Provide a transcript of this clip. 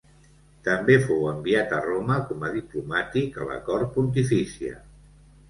També fou enviat a Roma com a diplomàtic a la cort pontifícia.